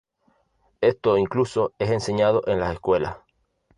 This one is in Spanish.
Esto incluso es enseñado en las escuelas.